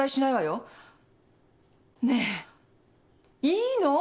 ねえいいの？